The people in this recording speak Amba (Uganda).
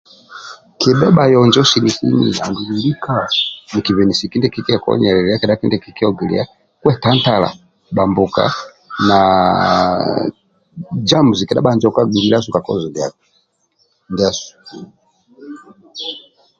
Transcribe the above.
Kibhe bhayonjo sini sini andulu lika nikibenisi kindia kikiekoniia kedha kindie kikiogilia kwetantala bhambuka na jamuzi kedha bhanjoka godhiliadu ka kozo ndiako ndiasu